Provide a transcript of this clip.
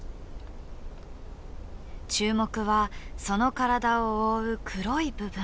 注目はその体を覆う黒い部分。